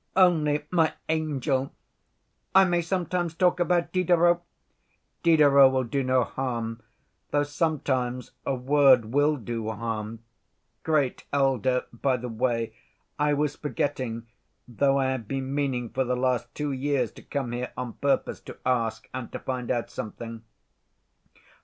Only ... my angel ... I may sometimes talk about Diderot! Diderot will do no harm, though sometimes a word will do harm. Great elder, by the way, I was forgetting, though I had been meaning for the last two years to come here on purpose to ask and to find out something.